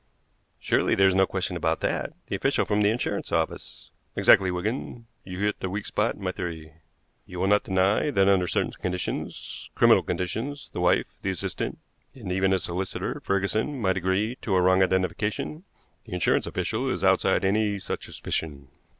"Surely there is no question about that? The official from the insurance office " "Exactly, Wigan; you hit the weak spot in my theory. You will not deny that under certain conditions criminal conditions the wife, the assistant, and even the solicitor, Ferguson, might agree to a wrong identification; the insurance official is outside any such suspicion.